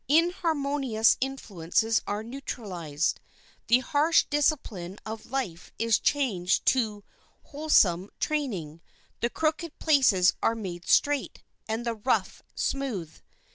Inharmonious influences are neutralized, the harsh discipline of life is changed to wholesome training, the crooked places are made straight, and the rough smooth.